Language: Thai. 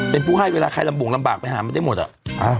เป็นผู้ให้ใครลำบ่งลำบากไปหาไม่ได้หมดอะ